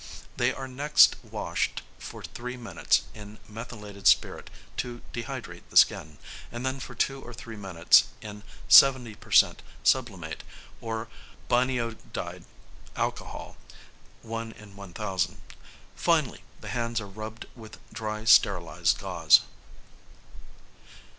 They are next washed for three minutes in methylated spirit to dehydrate the skin, and then for two or three minutes in 70 per cent. sublimate or biniodide alcohol (1 in 1000). Finally, the hands are rubbed with dry sterilised gauze.